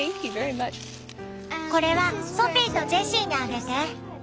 これはソフィーとジェシーにあげて。